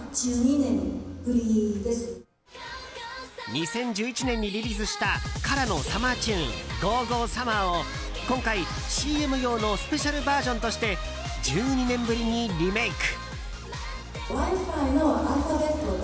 ２０１１年にリリースしたＫＡＲＡのサマーチューン「ＧＯＧＯサマー！」を今回、ＣＭ用のスペシャルバージョンとして１２年ぶりにリメイク。